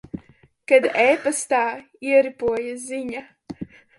Kad e-pastā ieripoja ziņa.